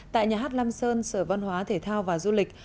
tại nhà hát lam sơn sở văn hóa thể thao và du lịch